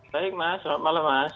baik mas selamat malam mas